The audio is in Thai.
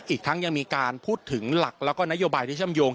อีกทั้งยังมีการพูดถึงหลักแล้วก็นโยบายที่เชื่อมโยง